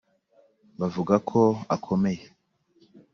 bavuga ko akomeye